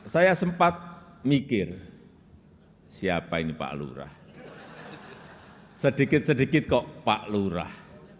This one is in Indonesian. saya sempat mikir siapa ini pak lurah sedikit sedikit kok pak lurah